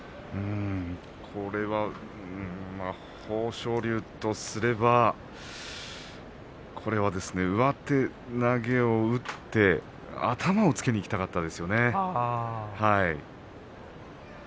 これは豊昇龍とすれば上手投げを打って頭をつけにいきたかったですよね。